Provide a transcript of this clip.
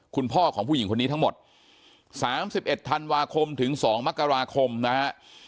คุณพ่อของผู้หญิงคนนี้ทั้งหมดสามสิบเอ็ดธันวาคมถึงสองมกราคมนะฮะ